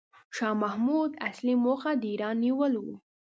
شاه محمود اصلي موخه د ایران نیول و.